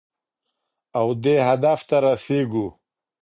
او دې هدف ته رسېږو.